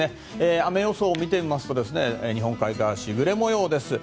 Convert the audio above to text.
雨予想を見てみますと日本海側、時雨模様です。